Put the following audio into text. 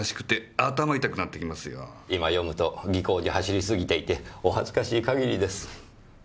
今読むと技巧に走りすぎていてお恥ずかしい限りです。